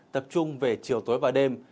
tập trung về chiều tối và đêm